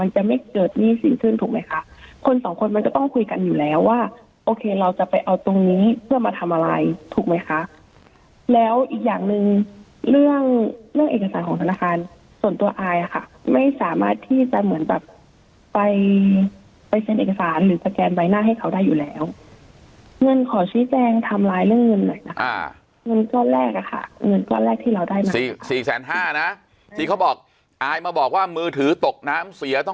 จะไม่เกิดหนี้สิ่งขึ้นถูกไหมคะคนสองคนมันก็ต้องคุยกันอยู่แล้วว่าโอเคเราจะไปเอาตรงนี้เพื่อมาทำอะไรถูกไหมคะแล้วอีกอย่างหนึ่งเรื่องเอกสารของธนาคารส่วนตัวอายค่ะไม่สามารถที่จะเหมือนแบบไปไปเซ็นเอกสารหรือสแกนใบหน้าให้เขาได้อยู่แล้วเงินขอชี้แจงทำร้ายเรื่องเงินหน่อยนะคะเงินก้อนแรกอ่ะค่ะเงินก้อนแรกที่เราได